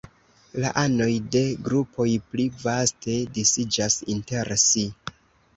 La anoj de grupoj pli vaste disiĝas inter si.